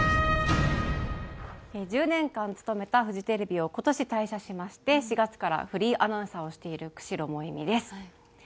１０年間勤めたフジテレビを今年退社しまして４月からフリーアナウンサーをしている久代萌美です。